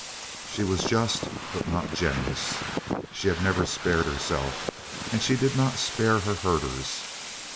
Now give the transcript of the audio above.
She was just but not generous. She never had spared herself, and she did not spare her herders.